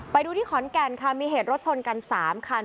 ไปดูที่ขอนแก่นค่ะมีเหตุรถชนกัน๓คัน